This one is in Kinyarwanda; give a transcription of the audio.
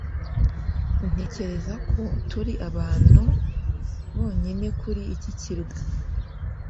Ntekereza ko turi abantu bonyine kuri iki kirwa